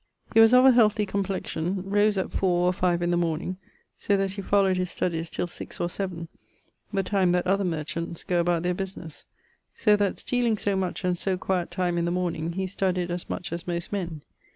He was of a healthy complexion, rose at 4 or 5 in the morning, so that he followed his studies till 6 or 7, the time that other merchants goe about their businesse; so that, stealing so much and so quiet time in the morning, he studied as much as most men.